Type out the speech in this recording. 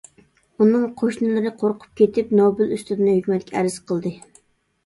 ئۇنىڭ قوشنىلىرى قورقۇپ كېتىپ، نوبېل ئۈستىدىن ھۆكۈمەتكە ئەرز قىلدى.